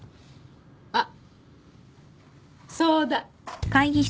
あっそうだ。